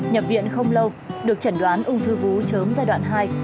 nhập viện không lâu được chẩn đoán ung thư vú chớm giai đoạn hai